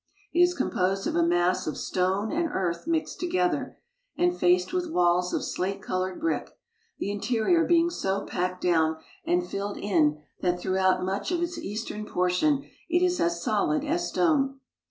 It is composed of a mass of stone and earth mixed together, and faced with walls of slate colored brick, the interior being so packed down and filled in that throughout much of its eastern portion it is as solid as stone.